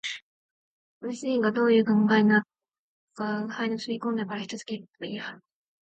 この主人がどういう考えになったものか吾輩の住み込んでから一月ばかり後のある月の月給日に、大きな包みを提げてあわただしく帰って来た